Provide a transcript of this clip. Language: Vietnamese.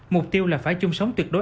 mục tiêu là phải chung sống tuyệt đối